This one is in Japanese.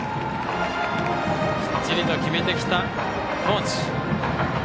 きっちり決めてきた高知。